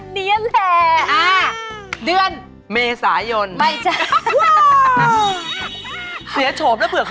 นั่นแหละขออภิษฐ์เลยนั่นเนี้ยแหละ